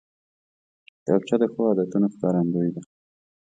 کتابچه د ښو عادتونو ښکارندوی ده